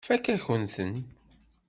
Tfakk-akent-ten.